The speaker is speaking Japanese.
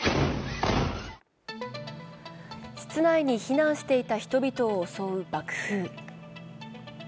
室内に避難していた人々を襲う爆風。